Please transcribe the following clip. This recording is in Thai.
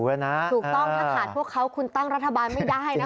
ถูกต้องถ้าขาดพวกเขาคุณตั้งรัฐบาลไม่ได้นะคะ